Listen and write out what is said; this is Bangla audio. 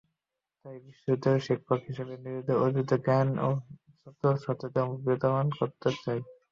তাই বিশ্ববিদ্যালয়ের শিক্ষক হিসেবে নিজের অর্জিত জ্ঞান ছাত্রছাত্রীদের মধ্যে বিতরণ করতে চাই।